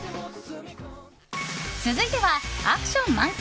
続いては、アクション満載！